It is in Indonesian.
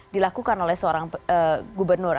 dilakukan oleh seorang gubernur